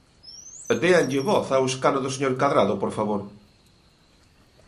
Déanlle voz ao escano do señor Cadrado, por favor.